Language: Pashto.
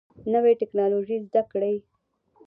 نوي ټکنالوژي زده کړئ